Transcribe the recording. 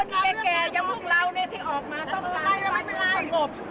คนแก่อย่างพวกเราที่ออกมาต้องการบ้านเมืองสงบ